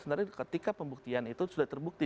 sebenarnya ketika pembuktian itu sudah terbukti